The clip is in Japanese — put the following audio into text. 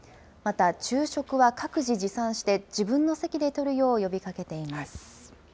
また、昼食は各自持参して、自分の席でとるよう呼びかけています。